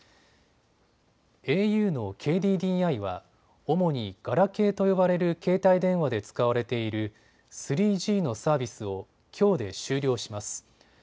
ａｕのＫＤＤＩは主にガラケーと呼ばれる携帯電話で使われている３Ｇのサービスをきょうで終了します。